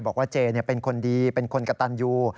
บอกว่าเจเป็นคนดีเป็นคนกระตันยู